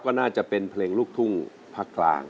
ก็น่าจะเป็นเพลงลูกทุ่งภาคกลาง